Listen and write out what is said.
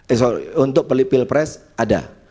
eh sorry untuk pelipil press ada